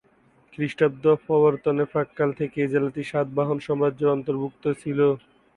খ্রিস্টাব্দ প্রবর্তনের প্রাক্কালে থেকে এই জেলাটি সাতবাহন সাম্রাজ্যের অন্তর্ভুক্ত ছিল।